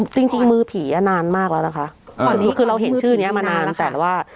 จริงจริงมือผีอ่ะนานมากแล้วนะคะคือนี้คือเราเห็นชื่อเนี้ยมานานแต่ว่า